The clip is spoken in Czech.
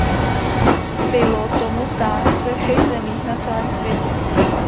Bylo tomu tak ve všech zemích na celém světě.